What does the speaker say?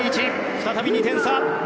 再び２点差。